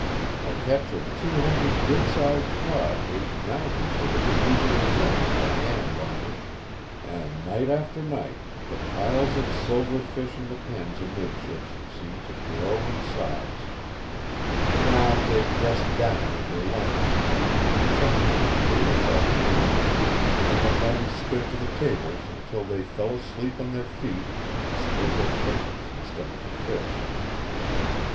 A catch of two hundred good sized cod was now considered the usual thing for a handliner, and night after night the piles of silver fish in the pens amidships seemed to grow in size. Now they dressed down under lantern light, sometimes aided by the moon, and the men stood to the tables until they fell asleep on their feet and split their fingers instead of the fish.